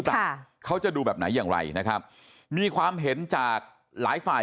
คิดว่าเขาจะดูแบบไหนอย่างไรมีความเห็นจากหลายฝ่าย